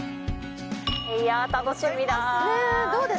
いや楽しみだ。